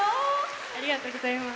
ありがとうございます。